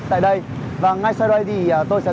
tại đây và ngay sau đây thì tôi sẽ